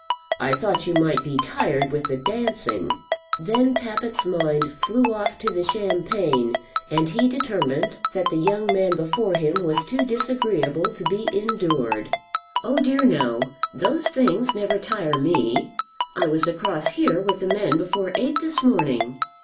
"I thought you might be tired with the dancing." Then Tappitt's mind flew off to the champagne, and he determined that the young man before him was too disagreeable to be endured. "Oh, dear, no. Those things never tire me. I was across here with the men before eight this morning.